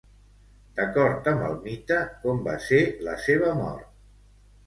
D'acord amb el mite, com va ser la seva mort?